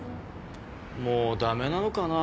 もう駄目なのかな